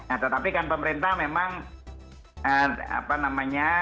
nah tetapi kan pemerintah memang apa namanya